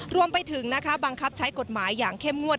รวมไปถึงบังคับใช้กฎหมายอย่างเข้มงวด